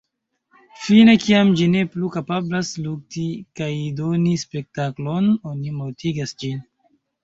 Fine kiam ĝi ne plu kapablas lukti, kaj "doni spektaklon", oni mortigas ĝin.